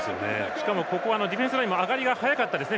しかもここはディフェンスラインの上がりが速かったですね